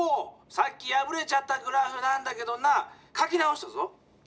さっきやぶれちゃったグラフなんだけどな書き直したぞ。